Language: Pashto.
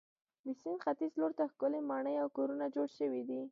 د سیند ختیځ لور ته ښکلې ماڼۍ او کورونه جوړ شوي دي.